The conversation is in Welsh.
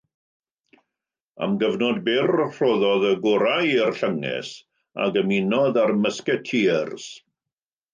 Am gyfnod byr rhoddodd y gorau i'r llynges ac ymunodd â'r musketeers.